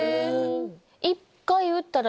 １回打ったら。